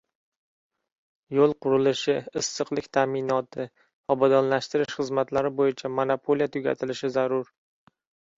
Yo‘l qurilishi, issiqlik ta’minoti, obodonlashtirish xizmatlari bo‘yicha monopoliya tugatilishi zarur.